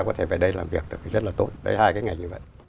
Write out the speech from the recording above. có thể về đây làm việc rất là tốt đấy là hai cái ngành như vậy